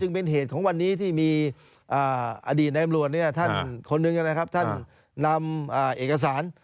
ในเหตุของวันนี้ที่มีอดีตในอำรวจเนี่ยท่านคนนึงนะครับท่านนำเอกสาร